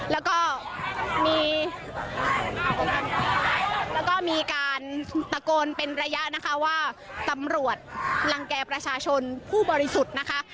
แล้วก็มีแล้วก็มีการตะโกนเป็นระยะนะคะว่าตำรวจรังแก่ประชาชนผู้บริสุทธิ์นะคะ